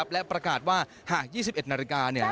และประกาศว่าหาก๒๑นาฬิกา